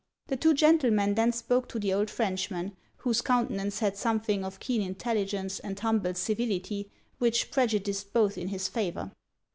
The two gentlemen then spoke to the old Frenchman; whose countenance had something of keen intelligence and humble civility which prejudiced both in his favour.